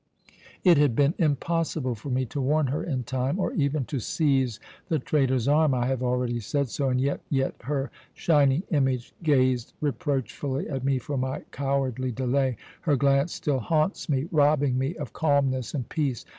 "It had been impossible for me to warn her in time, or even to seize the traitor's arm I have already said so and yet, yet her shining image gazed reproachfully at me for my cowardly delay. Her glance still haunts me, robbing me of calmness and peace.